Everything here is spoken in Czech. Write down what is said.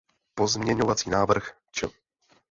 Pozměňovací návrh č.